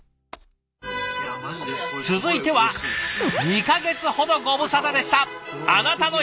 続いては２か月ほどご無沙汰でした